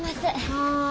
はい。